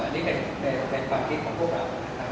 อันนี้เป็นความคิดของพวกเรา